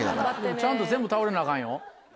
ちゃんと全部倒れなアカンよ。